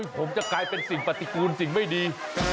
ผมจะกลายเป็นสิ่งปฏิกูลสิ่งไม่ดี